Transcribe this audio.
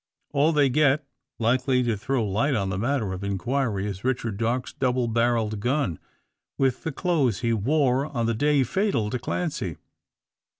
All they get, likely to throw light on the matter of inquiry, is Richard Darke's double barrelled gun, with the clothes he wore on the day fatal to Clancy.